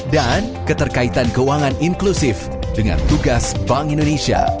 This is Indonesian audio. dan keterkaitan keuangan inklusif dengan tugas bank indonesia